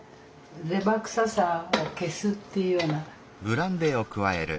レバ臭さを消すっていうような。